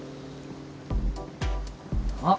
あっ